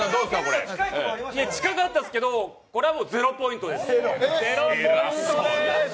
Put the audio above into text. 近かったですけど、これはもう０ポイントです。